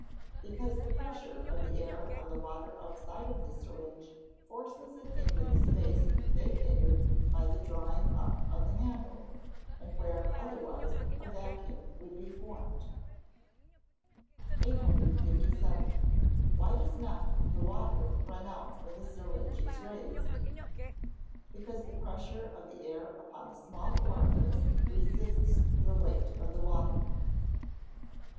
_ Because the pressure of the air on the water outside of the syringe, forces it into the space vacated by the drawing up of the handle, and where, otherwise, a vacuum would be formed. [Illustration: Fig. 41. SYRINGE, WITH JET OF WATER.] 857. Why does not the water run out when the syringe is raised? Because the pressure of the air upon the small orifice resists the weight of the water.